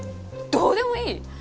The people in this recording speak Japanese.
どうでもいい！？